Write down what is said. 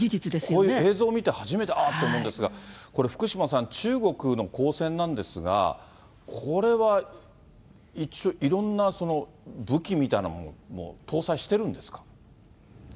こういう映像を見て初めて、あーと思うんですが、これ、福島さん、中国の公船なんですが、これは一応、いろんな武器みたいなものも搭載してるんですか。